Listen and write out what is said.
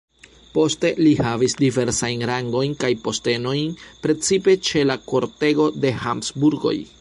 Poste li havis diversajn rangojn kaj postenojn precipe ĉe la kortego de Habsburgoj.